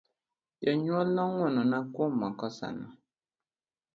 Jonyuol no ngwonona kuom makosana.